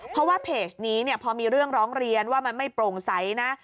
เพราะว่าเพจนี้พอมีเรื่องร้องเรียนว่ามันไม่โปร่งใสนะ